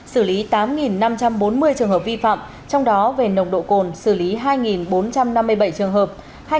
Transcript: xử lý tám năm trăm bốn mươi trường hợp vi phạm trong đó về nồng độ cồn xử lý hai bốn trăm năm mươi bảy trường hợp